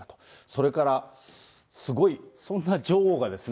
それから、そんな女王が。